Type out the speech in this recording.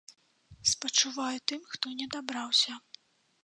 Спачуваю тым, хто не дабраўся.